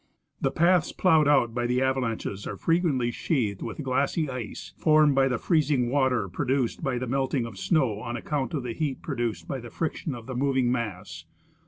The paths ploughed out by the avalanches are frequently sheathed with glassy ice, formed by the freezing of water produced by the melting of snow on account of the heat produced by the friction of the moving mass.